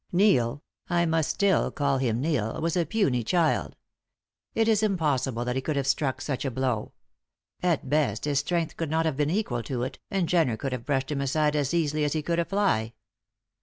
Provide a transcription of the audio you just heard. Neil I must still call him Neil was a puny child. It is impossible that he could have struck such a blow. At best his strength could not have been equal to it, and Jenner could have brushed him aside as easily as he could a fly."